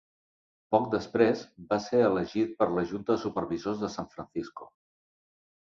Poc després, va ser elegit per a la Junta de Supervisors de San Francisco.